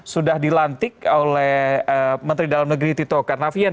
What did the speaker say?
sudah dilantik oleh menteri dalam negeri tito karnavian